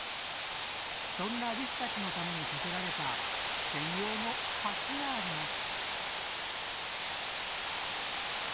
そんなリスたちのために架けられた専用の橋があります。